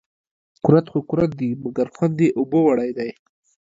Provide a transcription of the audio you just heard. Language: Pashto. کورت خو کورت دي ، مگر خوند يې اوبو وړى دى